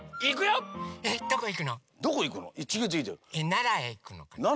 ならへいくのかな。